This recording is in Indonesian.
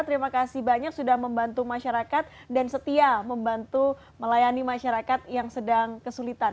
terima kasih banyak sudah membantu masyarakat dan setia membantu melayani masyarakat yang sedang kesulitan